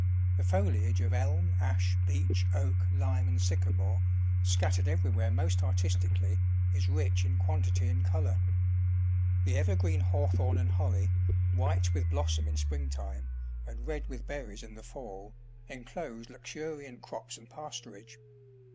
The foliage of elm, ash, beech, oak, lime, and sycamore, scattered everywhere most artistically, is rich in quantity and colour. The evergreen hawthorn and holly, white with blossom in springtime, and red with berries in the fall, enclose 5 2 ST A GE CO A CHING IN ENGLAND. luxuriant crops and pasturage.